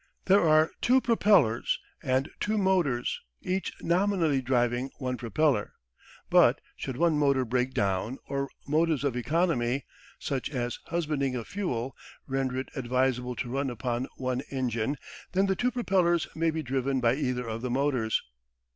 There are two propellers, and two motors, each nominally driving one propeller. But should one motor break down, or motives of economy, such as husbanding of fuel, render it advisable to run upon one engine, then the two propellers may be driven by either of the motors.